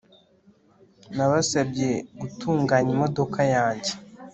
Nabasabye gutunganya imodoka yanjye